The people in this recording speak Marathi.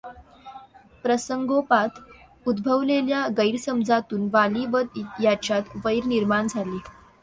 प्रसंगोपात उद्भवलेल्या गैरसमजातून वाली व याच्यात वैर निर्माण झाले.